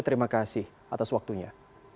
terima kasih atas waktunya